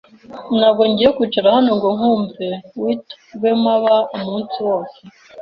Ntabwo ngiye kwicara hano ngo nkwumve witoRwemaba umunsi wose.